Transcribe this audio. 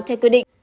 theo quyết định